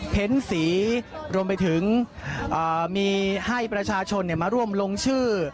เพ้นสีรวมไปถึงอ่ามีให้ประชาชนเนี่ยมาร่วมลงชื่อ